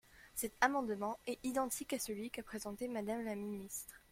Cet amendement est identique à celui qu’a présenté Madame la ministre.